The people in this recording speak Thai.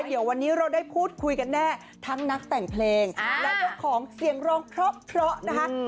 เดี๋ยววันนี้เราได้พูดคุยกันแน่ทั้งนักแต่งเพลงและเจ้าของเสียงร้องเพราะนะคะ